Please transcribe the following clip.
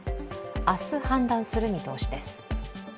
明日、判断する見通しです。